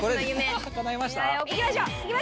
行きましょう！